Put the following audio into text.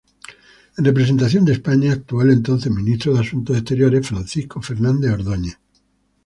En representación de España actuó el entonces Ministro de Asuntos Exteriores, Francisco Fernández Ordóñez.